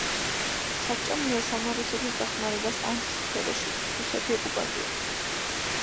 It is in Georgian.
საბჭომ მიესალმა რუსეთის დახმარებას ამ სფეროში.